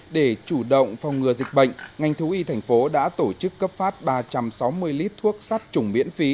để chủ động phòng ngừa dịch bệnh ngành thú y thành phố đã tổ chức cấp phát ba trăm sáu mươi lít thuốc sát trùng miễn phí